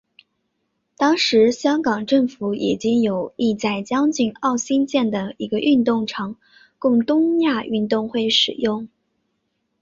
当时香港政府已经有意在将军澳兴建一个运动场供东亚运动会使用。